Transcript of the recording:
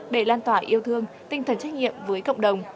để lan tỏa yêu thương tinh thần trách nhiệm với cộng đồng